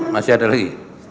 masih ada lagi